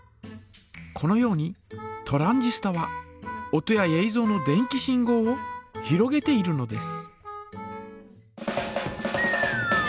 このようにトランジスタは音やえいぞうの電気信号をひろげているのです。